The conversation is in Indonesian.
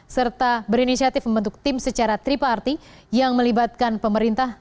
serta berinisiatif membentuk tim secara triparty yang melibatkan pemerintah